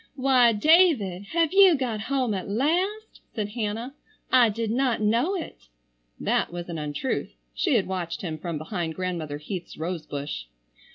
"Why, David, have you got home at last?" said Hannah. "I did not know it." That was an untruth. She had watched him from behind Grandmother Heath's rose bush.